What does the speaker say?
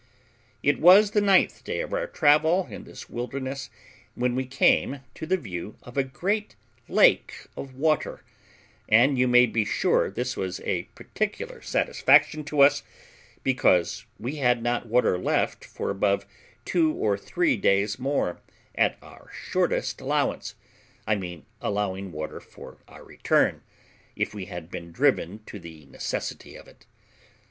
It was the ninth day of our travel in this wilderness, when we came to the view of a great lake of water; and you may be sure this was a particular satisfaction to us, because we had not water left for above two or three days more, at our shortest allowance; I mean allowing water for our return, if we had been driven to the necessity of it.